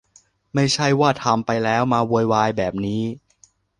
ไม่ใช่ว่าไปทำแล้วมาโวยวายแบบนี้